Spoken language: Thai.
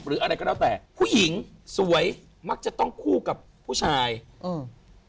อะไรก็แล้วแต่ผู้หญิงสวยมักจะต้องคู่กับผู้ชายอืม